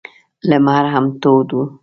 لمر هم تود و.